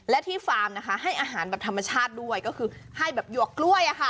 และที่ฟาร์มนะคะให้อาหารแบบธรรมชาติด้วยก็คือให้แบบหยวกกล้วย